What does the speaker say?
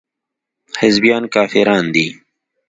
حزبيان کافران دي.